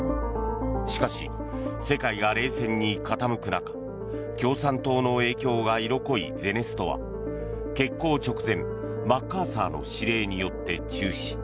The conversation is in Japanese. しかし、世界が冷戦に傾く中共産党の影響が色濃いゼネストは決行直前、マッカーサーの指令によって中止。